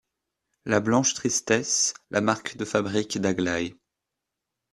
La blanche tristesse, la marque de fabrique d’Aglaé.